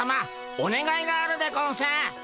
おねがいがあるでゴンス。